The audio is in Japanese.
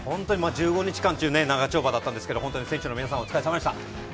１５日間という長丁場だったんですが本当に選手の皆さんお疲れさまでした。